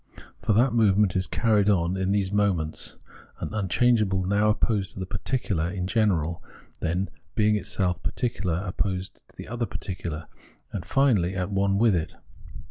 For that movement is carried on in these moments : an unchangeable now opposed to the particular in general, then, being itself particular, opposed to the other particular, and finally at one with it.